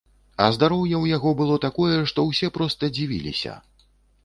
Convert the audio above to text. А здароўе ў яго было такое, што ўсе проста дзівіліся.